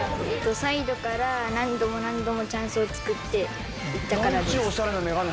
サイドから何度も何度もチャンスを作っていったからです。